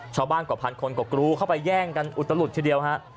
กว่าพันคนก็กรูเข้าไปแย่งกันอุตลุดทีเดียวฮะ